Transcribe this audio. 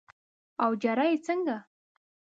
اوجره یې څنګه؟